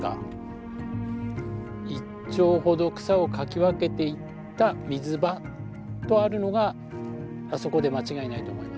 「一町ほど草をかき分けて行った水場」とあるのがあそこで間違いないと思います。